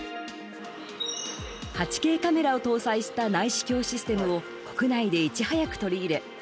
８Ｋカメラを搭載した内視鏡システムを国内でいち早く取り入れ